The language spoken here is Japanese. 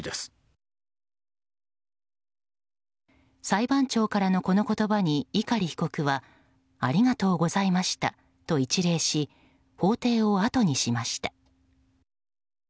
裁判長からのこの言葉に碇被告はありがとうございましたと一礼し法廷をあとにしました。